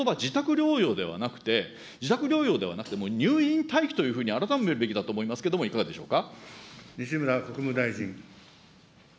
ですからこのことば、自宅療養ではなくて、自宅療養ではなくて、もう入院待機というふうに改めるべきだと思いますけども、いかがでしょうか。